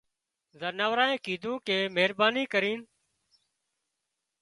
زناوڙانئي ڪيڌون ڪي مهرباني ڪرينَ